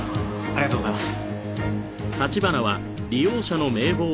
ありがとうございます。